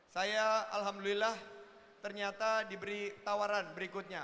saya alhamdulillah ternyata diberi tawaran berikutnya